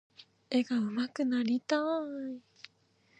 絵が上手くなりたい。